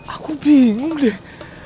aku bingung deh